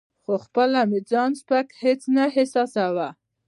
خو خپله مې ځان سپک هیڅ نه احساساوه.